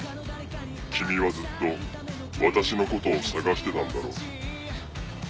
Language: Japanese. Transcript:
君はずっと私のことを捜してたんだろ？